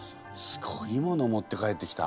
すごいもの持って帰ってきた。